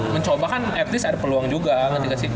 mencoba kan at least ada peluang juga sih